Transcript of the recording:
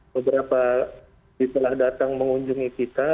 beberapa setelah datang mengunjungi kita